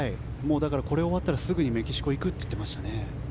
これ終わったらすぐにメキシコに行くと言っていました。